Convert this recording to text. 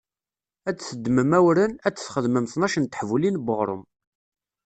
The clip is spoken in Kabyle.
Ad d-teddmem awren, ad d-txedmem tnac n teḥbulin n uɣrum.